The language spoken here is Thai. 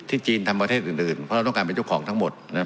จีนทำประเทศอื่นเพราะเราต้องการเป็นเจ้าของทั้งหมดนะครับ